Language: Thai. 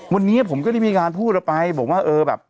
วันนี้ผมก็ได้มีการพูดออกไปบอกว่าเออแบบ